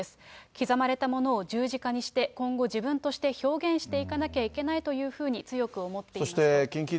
刻まれたものを十字架にして、今後自分として表現していかなきゃいけないというふうに強く思っそしてＫｉｎＫｉ